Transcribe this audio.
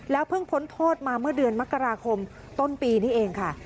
เพิ่งพ้นโทษมาเมื่อเดือนมกราคมต้นปีนี้เองค่ะ